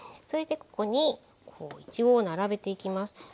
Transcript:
それでここにいちごを並べていきます。